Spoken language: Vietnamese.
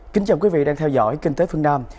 kính chào quý vị đang theo dõi kinh tế phương nam